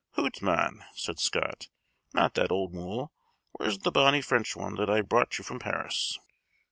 "Hoot, man," said Scott, "not that old mull: where's the bonnie French one that I brought you from Paris?"